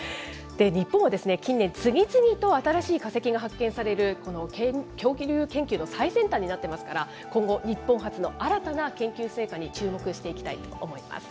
日本はですね、近年、次々と新しい化石が発見される、この恐竜研究の最先端になってますから、今後、日本発の新たな研究成果に注目していきたいと思います。